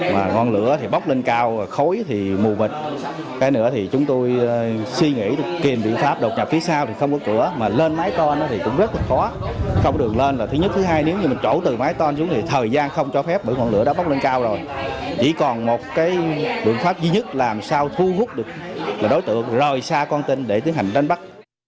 mà ngọn lửa thì bóc lên cao khối thì mù vịt cái nữa thì chúng tôi suy nghĩ kìm biện pháp đột nhập phía sau thì không có cửa mà lên mái ton thì cũng rất là khó không được lên là thứ nhất thứ hai nếu như mình trổ từ mái ton xuống thì thời gian không cho phép bởi ngọn lửa đã bóc lên cao rồi chỉ còn một cái biện pháp duy nhất làm sao thu hút được đối tượng rời xa con tin để tiến hành đánh bắt